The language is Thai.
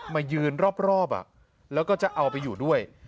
มายืนรอบแล้วก็จะเอาไปอยู่ด้วย